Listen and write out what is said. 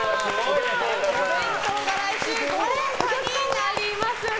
お弁当が来週、豪華になります。